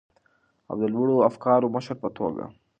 او د لوړو افکارو مشر په توګه،